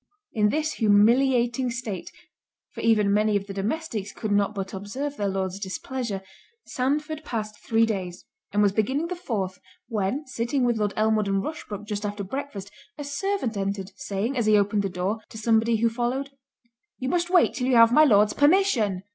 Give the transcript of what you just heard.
In this humiliating state (for even many of the domestics could not but observe their Lord's displeasure) Sandford passed three days, and was beginning the fourth, when sitting with Lord Elmwood and Rushbrook just after breakfast, a servant entered, saying, as he opened the door, to somebody who followed, "You must wait till you have my Lord's permission."